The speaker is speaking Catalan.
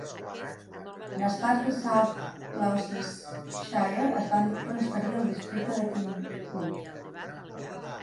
Les parts de South Gloucestershire es van transferir al districte de Kingwood.